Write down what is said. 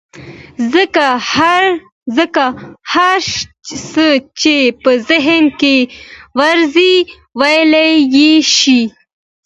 ځکه هر څه چې په ذهن کې ورځي ويلى يې شي.